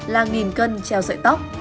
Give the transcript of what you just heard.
là nghìn cân treo sợi tóc